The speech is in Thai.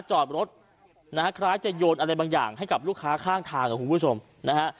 จอดรถนะฮะคล้ายจะโยนอะไรบางอย่างให้กับลูกค้าข้างทางกับคุณผู้ชมนะฮะ